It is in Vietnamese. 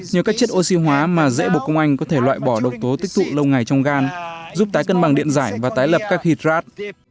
nhờ các chất oxy hóa mà dễ bộ công anh có thể loại bỏ độc tố tích tụ lâu ngày trong gan giúp tái cân bằng điện giải và tái lập các hydrat